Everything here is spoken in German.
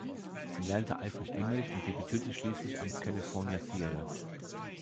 Sie lernte eifrig Englisch und debütierte schließlich am "California Theatre".